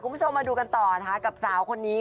คุณผู้ชมมาดูกันต่อนะคะกับสาวคนนี้